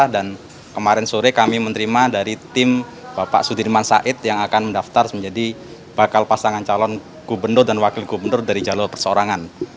dan kemarin sore kami menerima dari tim bapak sudirman said yang akan mendaftar menjadi bakal pasangan calon gubernur dan wakil gubernur dari jalur persoorangan